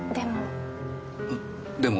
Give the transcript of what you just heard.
でも。